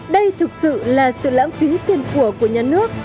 đây thực sự là sự lãng phí tiền của của nhà nước